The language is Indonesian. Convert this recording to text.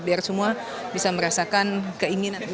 biar semua bisa merasakan keinginan